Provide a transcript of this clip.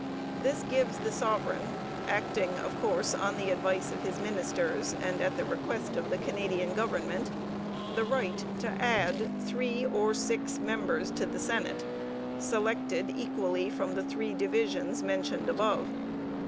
This gives the sovereign, acting of course on the advice of his ministers and at the request of the Canadian government, the right to add three or six members to the Senate, selected equally from the three divisions mentioned above.